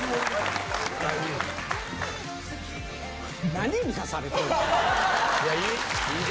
何見さされてんねん！